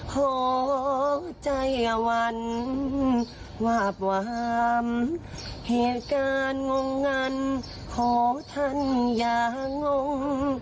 ขอใจวันวาบวามเหตุการณ์งงันของท่านอย่างงง